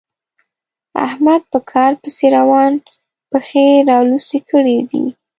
احمد په کار پسې خورا پښې رالوڅې کړې دي.